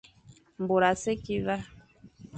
Môr a si va,